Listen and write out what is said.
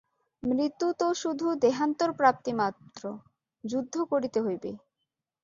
মৃত্যু তো শুধু দেহান্তরপ্রাপ্তি মাত্র! যুদ্ধ করিতে হইবে।